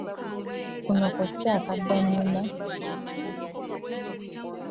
Kuno kw'ossa akaddannyuma ewa Daisy.